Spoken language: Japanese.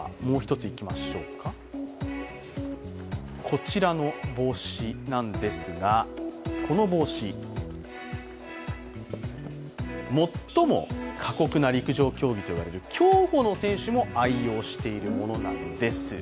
こちらの帽子なんですが、この帽子、最も過酷な陸上競技といわれる競歩の選手も愛用しているものなんです。